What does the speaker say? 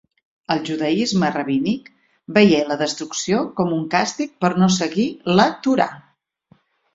El judaisme rabínic veié la destrucció com un càstig per no seguir la Torà.